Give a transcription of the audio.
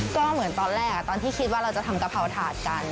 ก็เหมือนตอนแรกตอนที่คิดว่าเราจะทำกะเพราถาดกัน